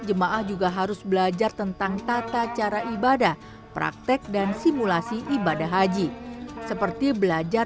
jemaah juga harus belajar tentang tata cara ibadah praktek dan simulasi ibadah haji seperti belajar